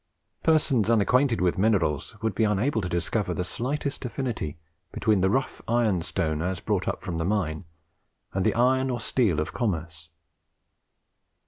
Persons unacquainted with minerals would be unable to discover the slightest affinity between the rough ironstone as brought up from the mine, and the iron or steel of commerce.